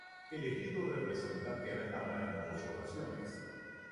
Elegido Representante a la Cámara en dos ocasiones.